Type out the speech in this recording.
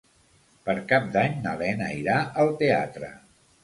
Per Cap d'Any na Lena irà al teatre.